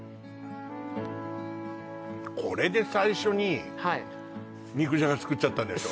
これで最初にはい肉じゃが作っちゃったんでしょ？